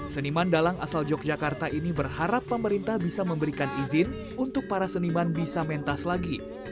seniman dalang asal yogyakarta ini berharap pemerintah bisa memberikan izin untuk para seniman bisa mentas lagi